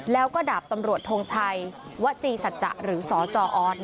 แล้วก็ดาบตำรวจทงชัยวจีสัจจะหรือสจออส